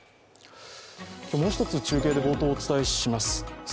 もう１つ中継で冒頭、お伝えします。